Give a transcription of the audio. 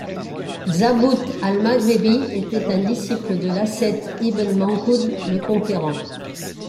Zabut Al-Maghrebi était un disciple de l'ascète Ibn Mankud le conquérant.